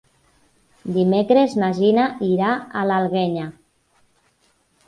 Dimecres na Gina irà a l'Alguenya.